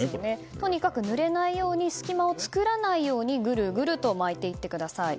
とにかくぬれないように隙間を作らないようにぐるぐると巻いていってください。